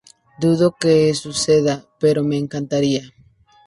Dudo que suceda, pero me encantaría".